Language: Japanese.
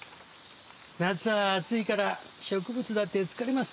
夏は暑いから植物だって疲れます。